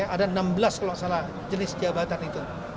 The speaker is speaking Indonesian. ada enam belas kalau salah jenis jabatan itu